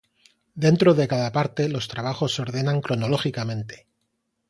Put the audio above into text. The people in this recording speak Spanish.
Dentro de cada parte, los trabajos se ordenan cronológicamente.